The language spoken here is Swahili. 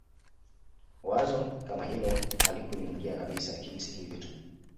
Wazo kama hilo halikuniingia kabisa Lakini si hivyo tu